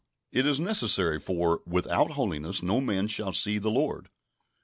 It is necessary, for "without holiness no man shall see the Lord."